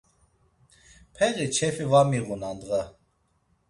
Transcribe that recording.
Peği çefi var miğun andğa.